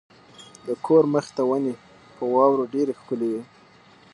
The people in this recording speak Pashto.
د کور مخې ته ونې په واورو ډېرې ښکلې وې.